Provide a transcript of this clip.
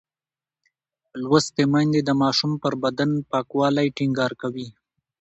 لوستې میندې د ماشوم پر بدن پاکوالی ټینګار کوي.